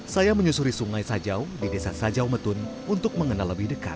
saya menyusuri sungai sajau di desa sajau metun untuk mengenal lebih dekat